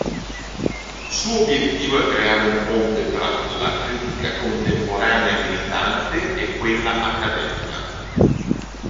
Suo obiettivo è creare un ponte tra la critica contemporanea militante e quella accademica.